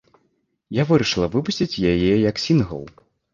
Я вырашыла выпусціць яе як сінгл.